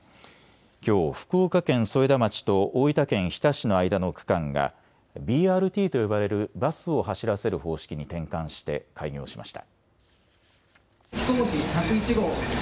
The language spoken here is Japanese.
きょう福岡県添田町と大分県日田市の間の区間がＢＲＴと呼ばれるバスを走らせる方式に転換して開業しました。